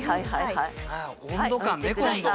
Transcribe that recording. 温度感ね今度。